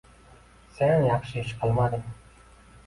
Sen yaxshi ish qilmading